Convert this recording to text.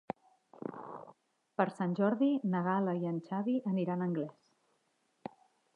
Per Sant Jordi na Gal·la i en Xavi aniran a Anglès.